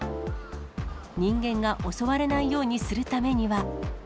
人間が襲われないようにするためには。